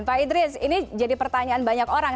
pak idris ini jadi pertanyaan banyak orang